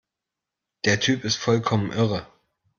Der Typ ist vollkommen irre!